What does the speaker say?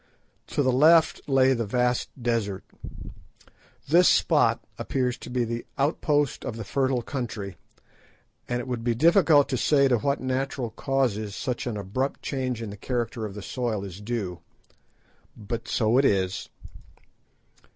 To the left lay the vast desert. This spot appears to be the outpost of the fertile country, and it would be difficult to say to what natural causes such an abrupt change in the character of the soil is due. But so it is.